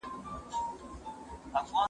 ږغ د زهشوم له خوا اورېدل کيږي!؟